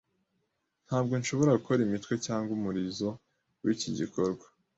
Ntabwo nshobora gukora imitwe cyangwa umurizo wiki gikorwa.